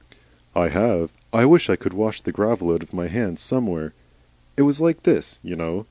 "I have. I wish I could wash the gravel out of my hands somewhere. It was like this, you know.